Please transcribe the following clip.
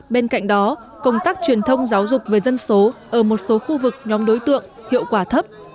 bên cạnh đó công tác truyền thông giáo dục về dân số ở một số khu vực nhóm đối tượng hiệu quả thấp